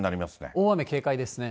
大雨警戒ですね。